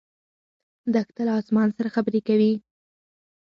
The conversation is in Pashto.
دښته له اسمان سره خبرې کوي.